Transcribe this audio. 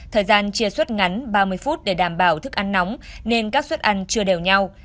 thời gian chia suất ngắn ba mươi phút để đảm bảo thức ăn nóng nên các suất ăn chưa đều nhau